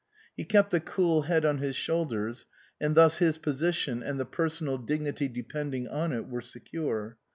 He kept a cool head on his shoulders, and thus his position and the personal dignity depending on it were secure.